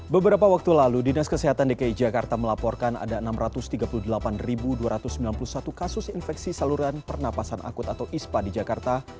beberapa waktu lalu dinas kesehatan dki jakarta melaporkan ada enam ratus tiga puluh delapan dua ratus sembilan puluh satu kasus infeksi saluran pernapasan akut atau ispa di jakarta